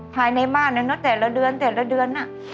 ภายในบ้านนะเนอะแต่ละเดือนแต่ละเดือน